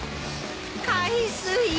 海水。